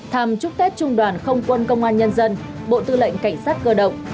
thăm chúc tết trung đoàn không quân công an nhân dân bộ tư lệnh cảnh sát cơ động